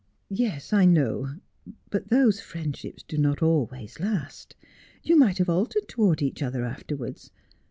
'Yes, I know. But those friendships do not always last. You might have altered towards each other afterwards.